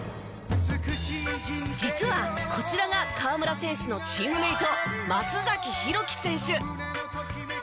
実はこちらが河村選手のチームメート松崎裕樹選手。